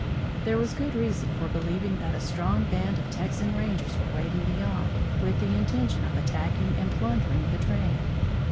There was good reason for believing that a strong band of Texan rangers were waiting beyond, with the intention of attacking and plundering the train.